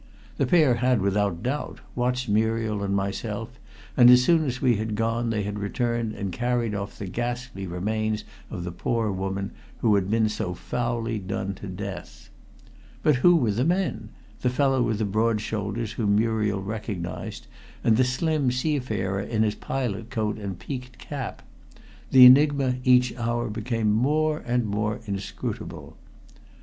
The pair had, without doubt, watched Muriel and myself, and as soon as we had gone they had returned and carried off the ghastly remains of the poor woman who had been so foully done to death. But who were the men the fellow with the broad shoulders whom Muriel recognized, and the slim seafarer in his pilot coat and peaked cap? The enigma each hour became more and more inscrutable.